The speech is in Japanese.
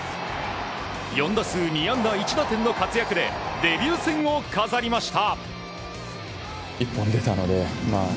４打数２安打１打点の活躍でデビュー戦を飾りました。